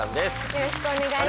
よろしくお願いします。